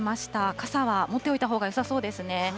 傘は持っておいたほうがよさそうですね。